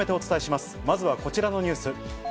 まずはこちらのニュース。